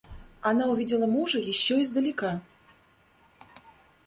Она увидала мужа еще издалека.